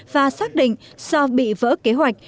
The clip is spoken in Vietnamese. và xác định do bị vỡ kế hoạch